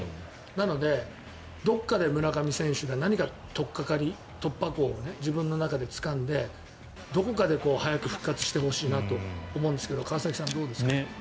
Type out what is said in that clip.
なので、どこかで村上選手が何か突破口を自分の中でつかんでどこかで早く復活してほしいと思うんですが川崎さん、どうですか？